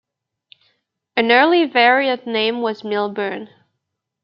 An early variant name was Millburn.